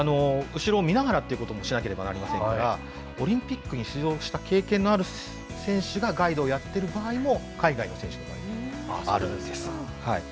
後ろを見ながらということもしなければなりませんから、オリンピックに出場した経験のある選手がガイドをやっている場合も、海外の選手ではあるんです。